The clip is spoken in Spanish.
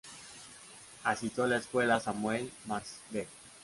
Asistió a la Escuela Samuel Marsden.